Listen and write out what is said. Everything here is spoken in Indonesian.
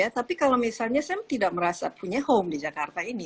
tapi kalau misalnya saya tidak merasa punya home di jakarta ini